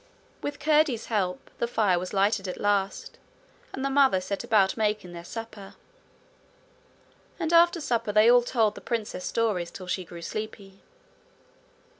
With Curdie's help, the fire was lighted at last, and the mother set about making their supper; and after supper they all told the princess stories till she grew sleepy.